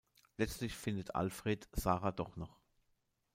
Letztlich findet Alfred Sarah doch noch.